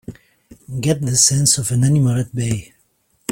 Get the sense of an animal at bay!